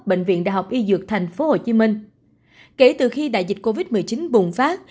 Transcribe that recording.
bệnh viện đại học y dược tp hcm kể từ khi đại dịch covid một mươi chín bùng phát